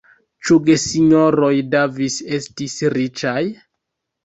Ĉu gesinjoroj Davis estis riĉaj?